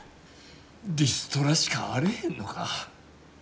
リストラしかあれへんのか。